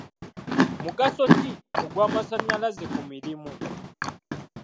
Mugaso ki ogw'amasannyalaze ku mirimu?